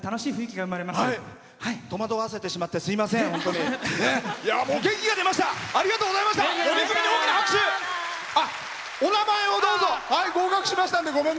とまどわせてしまってすいません。